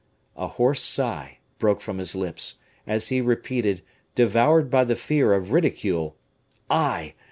A hoarse sigh broke from his lips, as he repeated, devoured by the fear of ridicule, "I!